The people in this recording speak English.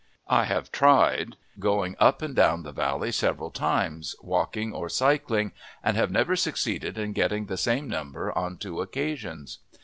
I have tried, going up and down the valley several times, walking or cycling, and have never succeeded in getting the same number on two occasions.